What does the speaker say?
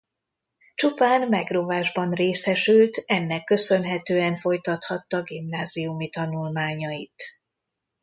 Csupán megrovásban részesült ennek köszönhetően folytathatta gimnáziumi tanulmányait.